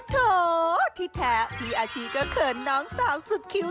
โถที่แท้พี่อาชีก็เขินน้องสาวสุดคิ้ว